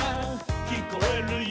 「きこえるよ」